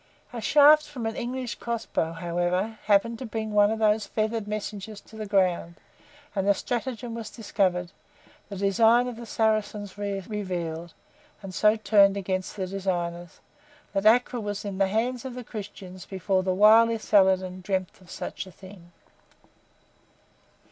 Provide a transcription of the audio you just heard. A shaft from an English crossbow, however, happened to bring one of those feathered messengers to the ground, and the stratagem was discovered, the design of the Saracens revealed, and so turned against the designers, that Acre was in the hands of the Christians before the wily Saladin dreamt of such a thing.